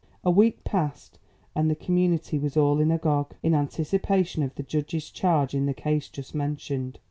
A week passed, and the community was all agog, in anticipation of the judge's charge in the case just mentioned.